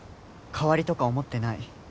代わりとか思ってない。